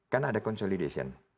kan ada consolidation